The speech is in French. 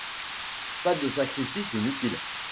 pas de sacrifice inutile.